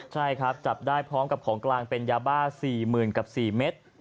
ใช่ครับจับได้พร้อมกับของกลางเป็นยาบ้า๔๐๐๐กับ๔เมตร